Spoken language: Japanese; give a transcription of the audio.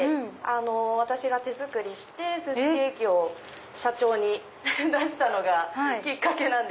私が手作りして寿司ケーキを社長に出したのがきっかけなんです。